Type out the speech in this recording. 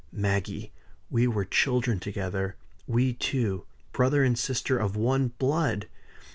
"Maggie, we were children together we two brother and sister of one blood!